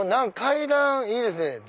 階段いいですね。